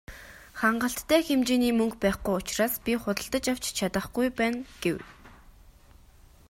"Хангалттай хэмжээний мөнгө байхгүй учраас би худалдаж авч чадахгүй байна" гэв.